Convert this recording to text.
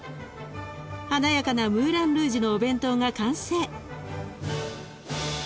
華やかなムーランルージュのお弁当が完成。